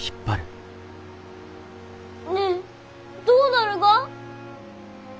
ねえどうなるが？